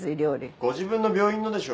ご自分の病院のでしょ。